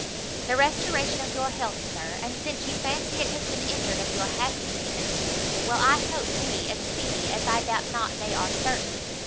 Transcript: "The restoration of your health, Sir, and since you fancy it has been injured, of your happiness," said Cecilia, "will, I hope, be as speedy, as I doubt not they are certain."